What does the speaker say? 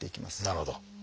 なるほど。